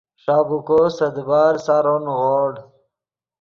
ݰابیکو سے دیبال سارو نیغوڑ